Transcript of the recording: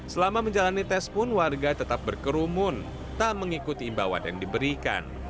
selama menjalani tes pun warga tetap berkerumun tak mengikuti imbauan yang diberikan